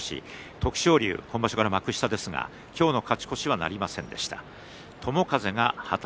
徳勝龍、今場所から幕下ですが今日の勝ち越しなりませんでした。